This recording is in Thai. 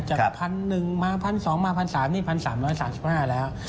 จาก๑๑๐๐มา๑๒๐๐มา๑๓๐๐นี่๑๓๓๕แล้ว